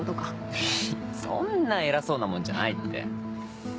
フッそんな偉そうなもんじゃないって。